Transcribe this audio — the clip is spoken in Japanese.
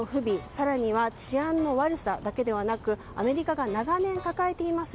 更には治安の悪さだけではなくアメリカが長年、抱えています